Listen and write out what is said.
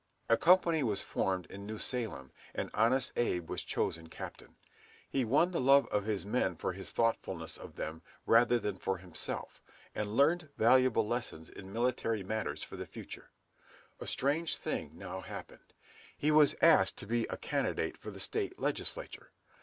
A company was formed in New Salem, and "Honest Abe" was chosen captain. He won the love of his men for his thoughtfulness of them rather than himself, and learned valuable lessons in military matters for the future. A strange thing now happened, he was asked to be a candidate for the State Legislature!